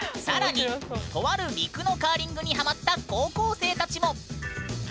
更にとある陸のカーリングにハマった高校生たちも！